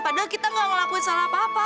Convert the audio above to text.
padahal kita gak ngelakuin salah apa apa